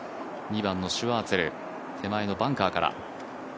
２番のシュワーツェル、手前のバンカーから。